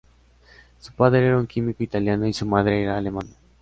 Su padre era un químico italiano, y su madre era alemana.